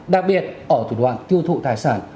đặc biệt ở thủ đoạn tiêu thụ tài sản